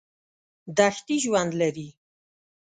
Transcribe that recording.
دښتې ژوند لري.